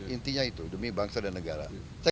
intinya itu demi bangsa dan negara